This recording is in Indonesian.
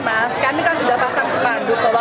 kalau kami jam sepuluh mulai membuka